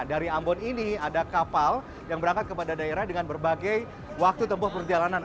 dari ambon ini ada kapal yang berangkat kepada daerah dengan berbagai waktu tempuh perjalanan